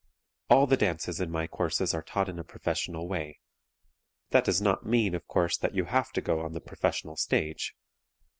All the dances in my courses are taught in a professional way. That does not mean, of course, that you have to go on the professional stage.